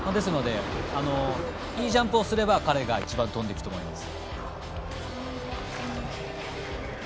ですので、いいジャンプをすれば彼が一番飛んでいくと思います。